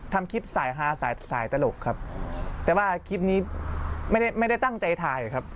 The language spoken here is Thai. ทำคลิปสายฮาสายสายตลกครับแต่ว่าคลิปนี้ไม่ได้ไม่ได้ตั้งใจถ่ายครับ